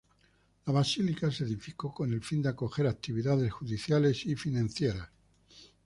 La basílica se edificó con el fin de acoger actividades judiciales y financieras.